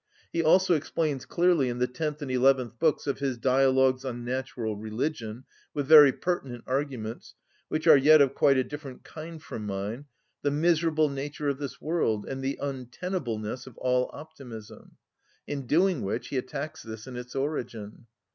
He also explains clearly in the tenth and eleventh books of his "Dialogues on Natural Religion," with very pertinent arguments, which are yet of quite a different kind from mine, the miserable nature of this world and the untenableness of all optimism; in doing which he attacks this in its origin.